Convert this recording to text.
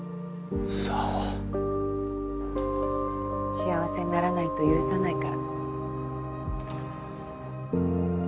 幸せにならないと許さないから。